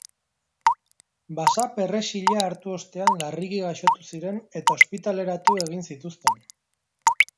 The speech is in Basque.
Basaperrexila hartu ostean, larriki gaixotu ziren eta ospitaleratu egin zituzten.